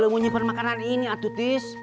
mau simpen makanan ini atu tis